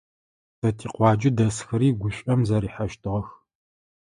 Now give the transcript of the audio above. Тэ тикъуаджэ дэсхэри гушӀом зэрихьэщтыгъэх.